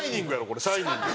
これ『シャイニング』。